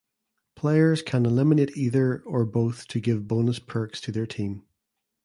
Players can eliminate either or both to give bonus perks to their team.